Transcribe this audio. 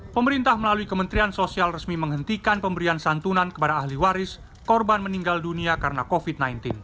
pemerintah melalui kementerian sosial resmi menghentikan pemberian santunan kepada ahli waris korban meninggal dunia karena covid sembilan belas